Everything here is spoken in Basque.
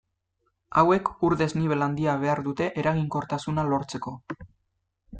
Hauek, ur-desnibel handia behar dute eraginkortasuna lortzeko.